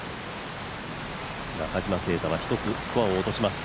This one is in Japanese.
中島啓太は１つスコアを落とします